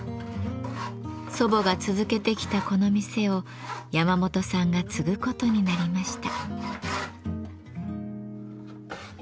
祖母が続けてきたこの店を山本さんが継ぐことになりました。